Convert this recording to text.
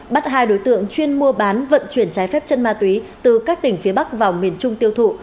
bắt hai đối tượng chuyên mua bán vận chuyển trái phép chân ma túy từ các tỉnh phía bắc vào miền trung tiêu thụ